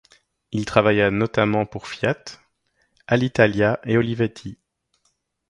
Il travailla notamment pour Fiat, Alitalia et Olivetti.